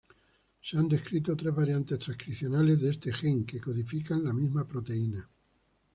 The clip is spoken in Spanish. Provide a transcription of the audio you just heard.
Se han descrito tres variantes transcripcionales de este gen, que codifican la misma proteína.